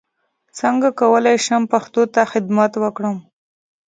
څنګه کولای شم پښتو ته خدمت وکړم